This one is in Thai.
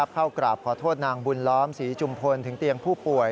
เข้ากราบขอโทษนางบุญล้อมศรีจุมพลถึงเตียงผู้ป่วย